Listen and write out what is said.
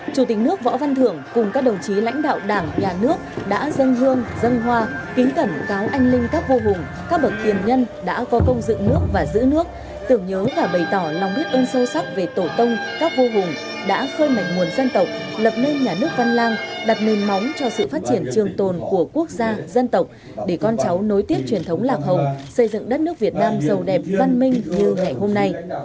chủ tịch nước võ văn thượng cùng các đồng chí lãnh đạo đảng nhà nước đã dân hương dân hoa kính cẩn cáo anh linh các vô hùng các bậc tiền nhân đã có công dựng nước và giữ nước tưởng nhớ và bày tỏ lòng biết ơn sâu sắc về tổ tông các vô hùng đã khơi mạnh nguồn dân tộc lập nên nhà nước văn lang đặt nền móng cho sự phát triển trường tồn của quốc gia dân tộc để con cháu nối tiếp truyền thống lạc hậu xây dựng đất nước việt nam giàu đẹp văn minh như ngày hôm nay